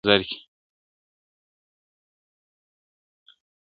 • ستا موسکي موسکي نظر کي ..